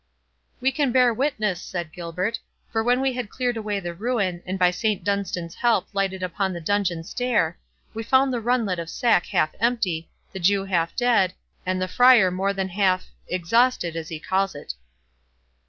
"We can bear witness," said Gilbert; "for when we had cleared away the ruin, and by Saint Dunstan's help lighted upon the dungeon stair, we found the runlet of sack half empty, the Jew half dead, and the Friar more than half—exhausted, as he calls it."